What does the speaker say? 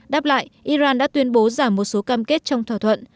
đáp lại iran đã tuyên bố giảm một số cam kết trong thỏa thuận